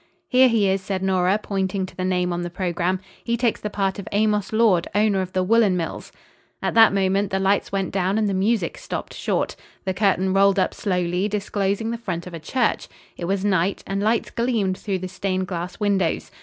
"Here he is," said Nora, pointing to the name on the programme. "He takes the part of Amos Lord, owner of the woolen mills." At that moment the lights went down and the music stopped short. The curtain rolled up slowly disclosing the front of a church. It was night and lights gleamed through the stained glass windows.